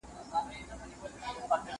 شکر یوه مزمنه ناروغي ده.